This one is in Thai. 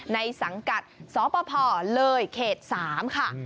ในสังกัดสปภเลยเขต๓ค่ะ